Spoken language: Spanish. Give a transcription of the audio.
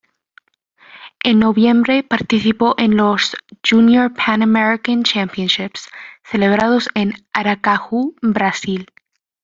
En noviembre participó en los "Junior Pan American Championships" celebrados en Aracaju, Brasil.